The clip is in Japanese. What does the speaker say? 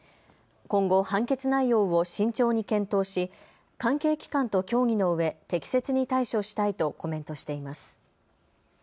今後、判決内容を慎重に検討し関係機関と協議のうえ適切に対処したいとコメントしています。